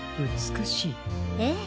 ええ。